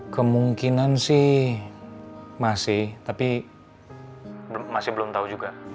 kemungkinan sih masih tapi masih belum tahu juga